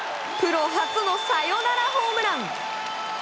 プロ初のサヨナラホームラン！